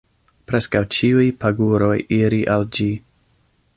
Preskaŭ ĉiuj paguroj iri al ĝi.